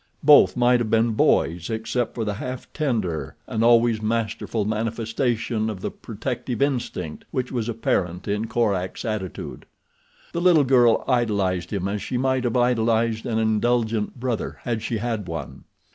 Both might have been boys, except for the half tender and always masterful manifestation of the protective instinct which was apparent in Korak's attitude. The little girl idolized him as she might have idolized an indulgent brother had she had one.